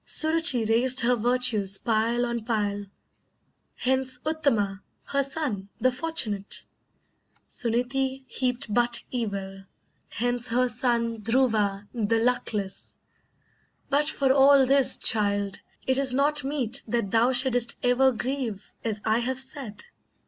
Suruchee raised her virtues pile on pile, Hence Uttama her son, the fortunate! Suneetee heaped but evil, hence her son Dhruva the luckless! But for all this, child, It is not meet that thou shouldst ever grieve As I have said.